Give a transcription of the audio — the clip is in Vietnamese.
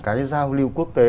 cái giao lưu quốc tế